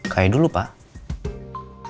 kayak dulu pak